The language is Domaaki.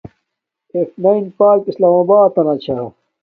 ایف نین پاک اسلام آباتنا چھا